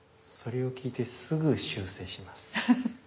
それを聞いてすぐ修正します。